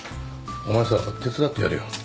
お前さ手伝ってやれよ。